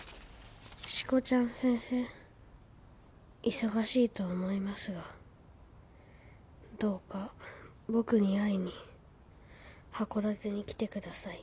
「忙しいと思いますがどうか僕に会いに函館に来てください」